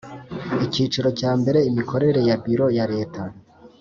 Icyiciro cya mbere Imikorere ya Biro ya leta